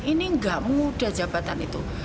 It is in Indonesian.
ini nggak mudah jabatan itu